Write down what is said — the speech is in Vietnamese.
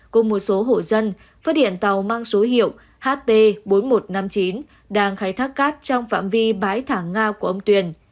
cùng một số hộ dân phát hiện tàu mang số hiệu hp bốn nghìn một trăm năm mươi chín đang khai thác cát trong phạm vi bãi thả ngao của ông tuyền